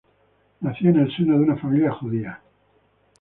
Nació en el seno de una familia judía.